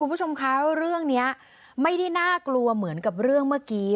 คุณผู้ชมคะเรื่องนี้ไม่ได้น่ากลัวเหมือนกับเรื่องเมื่อกี้